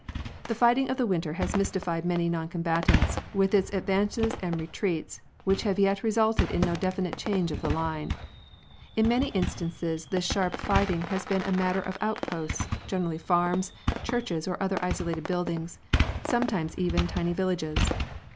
The fighting of the winter has mystified many noncombatants, with its advances and retreats, which have yet resulted in no definite change of the line. In many instances this sharp fighting has been a matter of outposts, generally farms, churches or other isolated buildings, sometimes even tiny villages.